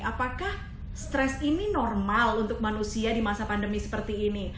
apakah stres ini normal untuk manusia di masa pandemi seperti ini